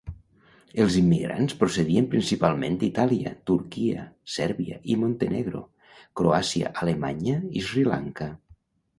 Els immigrants procedien principalment d'Itàlia, Turquia, Sèrbia i Montenegro, Croàcia, Alemanya i Sri Lanka.